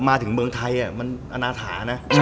มาถึงเมืองไทยมันอนาถานะ